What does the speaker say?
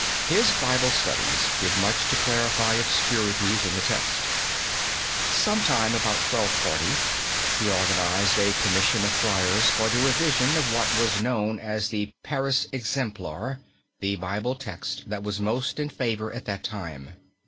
His Bible studies did much to clarify obscurities in the text. Sometime about 1240 he organized a commission of friars for the revision of what was known as the Paris Exemplar, the Bible text that was most in favor at that time.